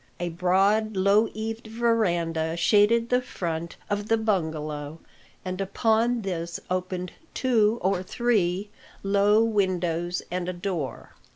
A broad, low eaved verandah shaded the front of the bungalow, and upon this opened two or three low windows and a door.